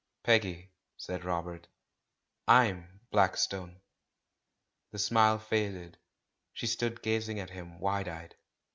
"Peggy," said Robert; "Fm Blackstone." The smile faded; she stood gazing at him wide eyed.